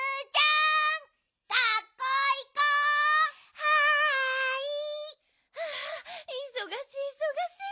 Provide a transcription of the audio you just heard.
はあいそがしいいそがしい！